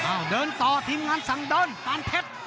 อ้าวเดินต่อทีมงานสั่งเดิ้นการเผ็ด